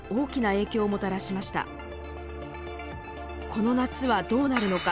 この夏はどうなるのか。